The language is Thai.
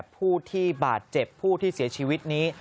ผู้ที่บาดเจ็บผู้ที่เสียชีวิตนี้